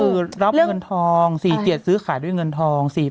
คือรับเงินทอง๔๗ซื้อขายด้วยเงินทอง